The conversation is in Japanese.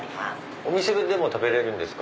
お店でも食べれるんですか？